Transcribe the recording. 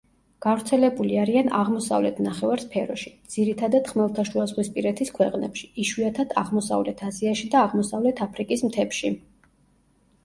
გავრცელებული არიან აღმოსავლეთ ნახევარსფეროში, ძირითადად ხმელთაშუაზღვისპირეთის ქვეყნებში, იშვიათად აღმოსავლეთ აზიაში და აღმოსავლეთ აფრიკის მთებში.